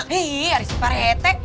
nih ada si pak rete